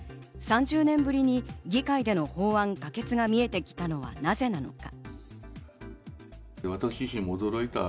３０年ぶりに議会での法案可決が見えてきたのは、なぜなのか。